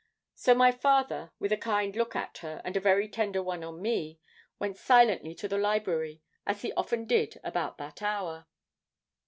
So my father, with a kind look at her, and a very tender one on me, went silently to the library, as he often did about that hour.